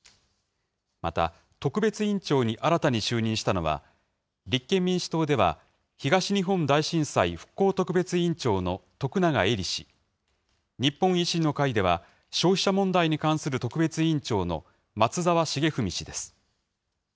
また、特別委員長に新たに就任したのは、立憲民主党では、東日本大震災復興特別委員長の徳永エリ氏、日本維新の会では、消費者問題に関する特別委員長の松沢成文氏です。